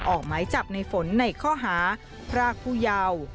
ออกหมายจับในฝนในข้อหาพรากผู้เยาว์